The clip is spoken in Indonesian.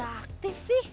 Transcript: marah lagi aja deh